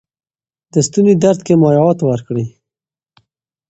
د ستوني درد کې مایعات ورکړئ.